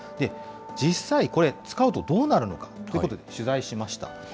実際これ、使うとどうなるのかということで取材しました。